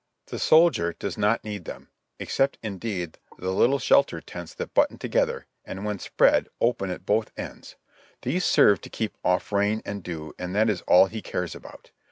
The soldier does not need them, except indeed the little shelter tents that button together, and when spread, open at both ends; these serve to keep off rain and dew and that is all he cares about.